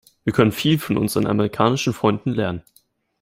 Wir können viel von unseren amerikanischen Freunden lernen.